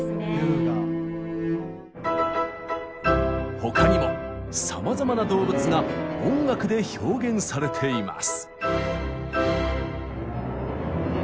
他にもさまざまな動物が音楽で表現されています。